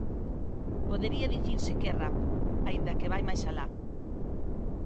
Podería dicirse que é rap, aínda que vai máis alá.